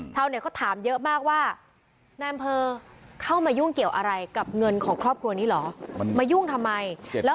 ชาวเน็ตเขาถามเยอะมากว่านายอำเภอเข้ามายุ่งเกี่ยวอะไรกับเงินของครอบครัวนี้เหรอมันมายุ่งทำไมแล้ว